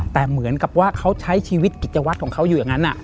แต่เหมือนกับว่าเขาใช้ชีวิตกิจวัตรของเขาอยู่อย่างนั้น